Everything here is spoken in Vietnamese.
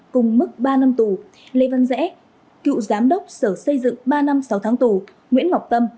cùng mức ba năm tù lê văn rẽ cựu giám đốc sở xây dựng ba năm sáu tháng tù nguyễn ngọc tâm